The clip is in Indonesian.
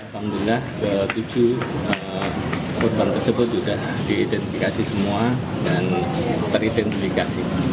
korban tersebut sudah diidentifikasi semua dan teridentifikasi